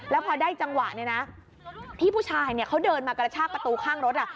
แล้วพอได้จังหวะเนี่ยนะพี่ผู้ชายเขาเดินมากระชากประตูข้างรถ